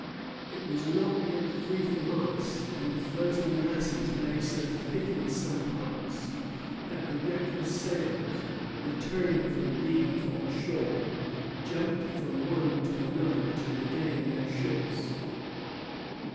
It was not yet free from ice; and the floating masses lay so thick in some parts that the reckless sailors, returning from leave on shore, jumped from one to another to regain their ships.